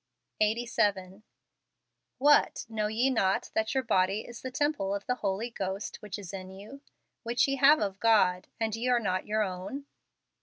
Eighty Seven. "What, know ye not that your body is the temple of the Holy Ghost which is in you, which ye have of God, and ye are not your own?"